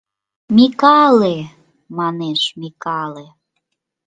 «Микале! — манеш, — Микале!